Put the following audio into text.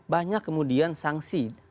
banyak kemudian sanksi